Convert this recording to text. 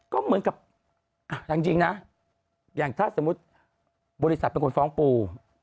ก็เหมือนกับเอาจริงนะอย่างถ้าสมมุติบริษัทเป็นคนฟ้องปู